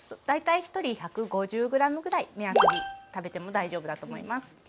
大体１人１５０ｇぐらい目安に食べても大丈夫だと思います。